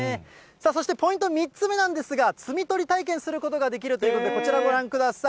さあ、そしてポイント３つ目なんですが、摘み取り体験することができるということで、こちらをご覧ください。